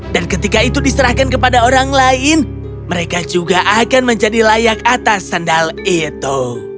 ketika itu diserahkan kepada orang lain mereka juga akan menjadi layak atas sandal itu